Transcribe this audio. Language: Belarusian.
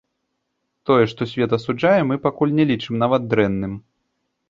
Тое, што свет асуджае, мы пакуль не лічым нават дрэнным.